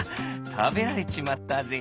たべられちまったぜ」。